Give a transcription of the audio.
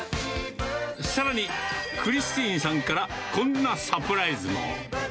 さらに、クリスティンさんから、こんなサプライズも。